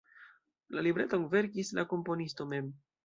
La libreton verkis la komponisto mem.